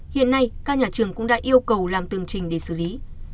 hiện nay các nhà trường cũng đã yêu cầu làm tường trình để xử lý